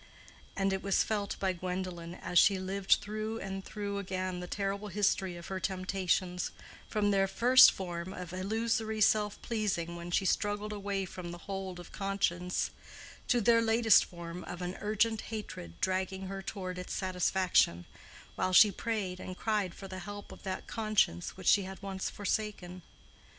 And it was felt by Gwendolen as she lived through and through again the terrible history of her temptations, from their first form of illusory self pleasing when she struggled away from the hold of conscience, to their latest form of an urgent hatred dragging her toward its satisfaction, while she prayed and cried for the help of that conscience which she had once forsaken.